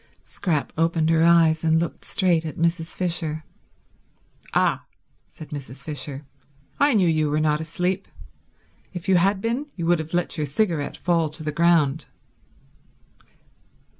Scrap opened her eyes and looked straight at Mrs. Fisher. "Ah," said Mrs. Fisher, "I knew you were not asleep. If you had been you would have let your cigarette fall to the ground."